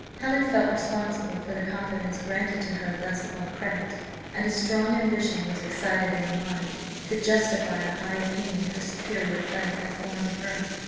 Helen felt responsible for the confidence granted to her thus upon credit, and a strong ambition was excited in her mind to justify the high opinion her superior friend had formed of her.